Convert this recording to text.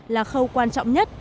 là khâu quan trọng nhất